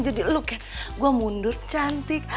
jadi lu cat gue mundur cantik